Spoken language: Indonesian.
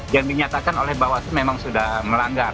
yang dinyatakan oleh bawaslu memang sudah melanggar